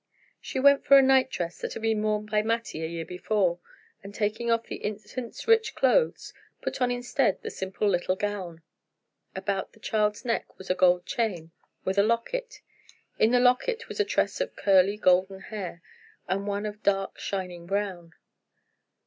She went for a night dress that had been worn by Mattie a year before, and taking off the infant's rich clothes, put on instead the simple little gown. About the child's neck was a gold chain, with a locket; in the locket was a tress of curly golden hair, and one of dark shining brown.